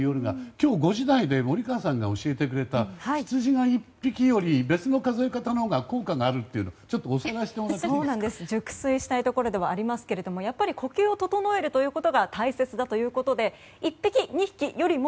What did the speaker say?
今日４時台で森川さんが教えてくれたヒツジが１匹より別の数え方のほうが効果があるというおさらいしてもらって熟睡してもらいたいところですがやっぱり呼吸を整えることが大切だということで１匹、２匹よりも